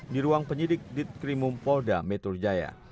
di ruang penyidik ditkrimum polda metro jaya